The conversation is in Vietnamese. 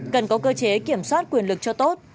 cần có cơ chế kiểm soát quyền lực cho tốt